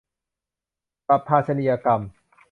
บัพพาชนียกรรม